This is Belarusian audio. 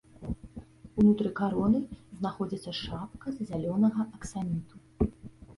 Унутры кароны знаходзіцца шапка з зялёнага аксаміту.